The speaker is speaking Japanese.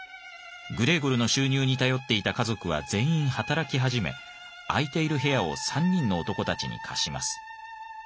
グレーゴルの収入に頼っていた家族は全員働き始め空いている部屋を３人の男たちに貸します。